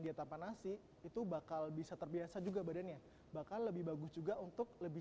dia tanpa nasi itu bakal bisa terbiasa juga badannya bakal lebih bagus juga untuk lebih